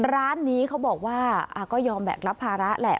ร้านนี้เขาบอกว่าก็ยอมแบกรับภาระแหละ